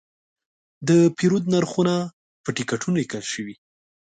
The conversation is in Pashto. د پیرود نرخونه په ټکټونو لیکل شوي.